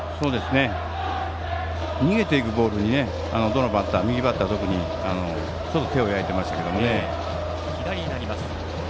逃げていくボールにどのバッターも右バッター、特にちょっと手を焼いていましたが。